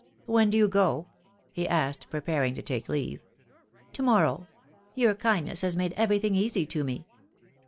"When do you go?" he asked, preparing to take leave. "To morrow. Your kindness has made everything easy to me."